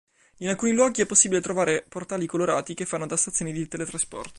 In alcuni luoghi è possibile trovare portali colorati che fanno da stazioni di teletrasporto.